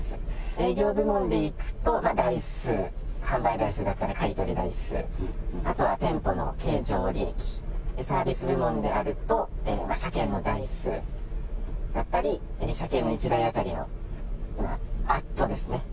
営業部門でいくと、台数、販売台数だったり、買い取り台数、あとは店舗の経常利益、サービス部門であると車検の台数だったり、車検の１台当たりのアットですね。